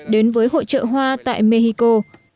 đến với hội trợ hoa tại mexico